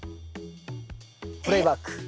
プレイバック。